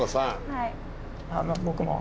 はい。